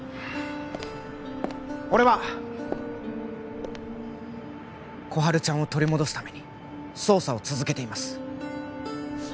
俺は心春ちゃんを取り戻すために捜査を続けています